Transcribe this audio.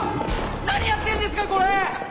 何やってんですかこれ！